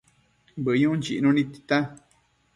Bëyun chicnu nid tita